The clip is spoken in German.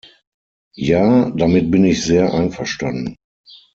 Ja, damit bin ich sehr einverstanden.